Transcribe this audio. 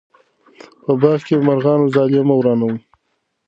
په باغ کې د مرغانو ځالې مه ورانوئ.